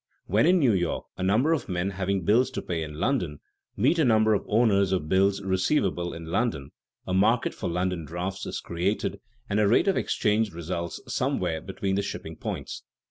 When, in New York, a number of men having bills to pay in London meet a number of owners of bills receivable in London, a market for London drafts is created and a rate of exchange results somewhere between the shipping points.